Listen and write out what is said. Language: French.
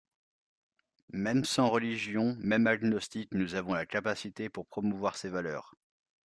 Même sans religion, même agnostique, nous avons la capacité pour promouvoir ces valeurs.